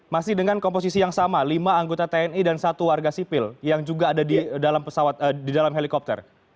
masih dengan komposisi yang sama lima anggota tni dan satu warga sipil yang juga ada di dalam helikopter